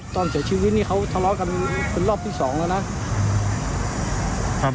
ตอนเสียชีวิตนี่เขาทะเลาะกันเป็นรอบที่สองแล้วนะ